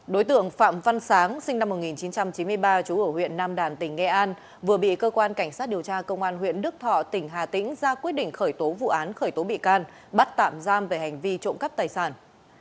đối tượng phạm văn sáng sinh năm một nghìn chín trăm chín mươi ba chú ở huyện nam đàn tỉnh nghệ an vừa bị cơ quan cảnh sát điều tra công an huyện đức thọ tỉnh hà tĩnh ra quyết định khởi tố vụ án khởi tố bị can bắt tạm giam về hành vi trộm cắp tài sản